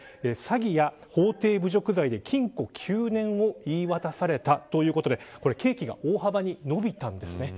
詐欺や法廷侮辱罪で禁錮９年を言い渡されたということで刑期が大幅に延びたんです。